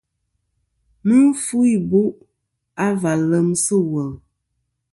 Mɨ fu ibu' a va lem sɨ̂ wul.